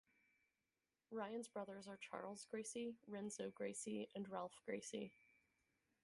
Ryan's brothers are Charles Gracie, Renzo Gracie, and Ralph Gracie.